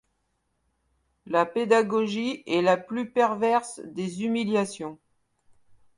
La pédagogie est la plus perverse des humiliations.